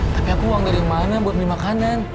pakai aku uang dari mana buat beli makanan